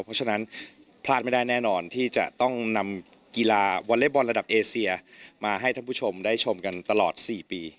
เพราะฉะนั้นพลาดไม่ได้แน่นอนที่จะต้องนำกีฬาวอเล็กบอลระดับเอเซียมาให้ท่านผู้ชมได้ชมกันตลอด๔ปี